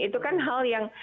itu kan hal yang